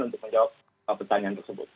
untuk menjawab pertanyaan tersebut